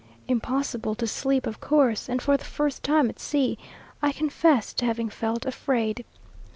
Impossible to sleep of course, and for the first time at sea, I confess to having felt afraid.